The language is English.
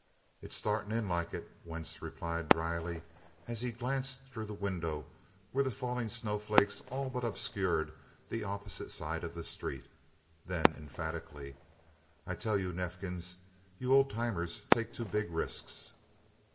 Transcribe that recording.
"It's startin' in like it," Wentz replied dryly, as he glanced through the window where the falling snowflakes all but obscured the opposite side of the street. Then, emphatically: "I tell you, Neifkins, you Old Timers take too big risks."